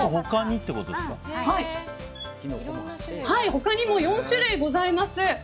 他にも４種類ございます。